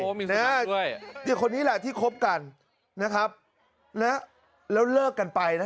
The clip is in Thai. โอ้มีสุดท้ายด้วยเนี่ยคนนี้แหละที่คบกันนะครับแล้วเลิกกันไปนะ